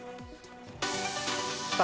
さあ